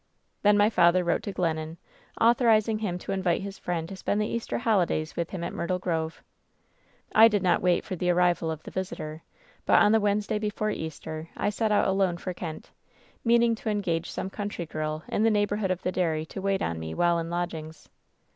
"Then my father wrote to Glennon, authorizing him to invite his friend to spend the Easter holidays with him at Myrtle Grove. "I did not wait for the arrival of the visitor, but on the Wednesday before Easter I set out alone for Kent, meaning to engage some country girl in the neighbor hood of the dairy to wait on me while in lodgings.